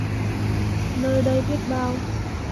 Nơi đây biết bao